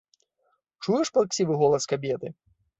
Чуеш плаксівы голас кабеты?